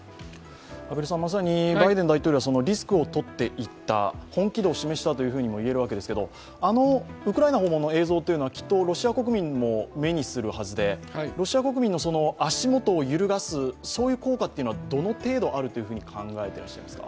まさにバイデン大統領はリスクをとって行った、本気度を示したともいえるわけですけどあのウクライナの映像というのは、きっとロシア国民も目にするはずでロシア国民の足元を揺るがす効果はどの程度あると考えてますか？